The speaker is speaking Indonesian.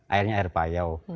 airnya air payau